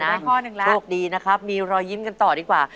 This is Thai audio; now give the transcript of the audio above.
ได้ข้อหนึ่งแล้วโชคดีนะครับมีรอยยิ้มกันต่อดีกว่า